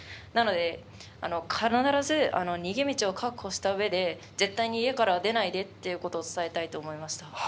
なので「必ず逃げ道を確保した上で絶対に家からは出ないで」っていうことを伝えたいと思いました。